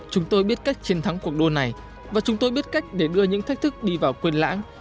chúng tôi biết cách chiến thắng cuộc đua này và chúng tôi biết cách để đưa những thách thức đi vào quyền lãng